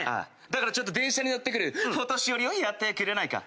だから電車に乗ってくるフォ年寄りをやってくれないか。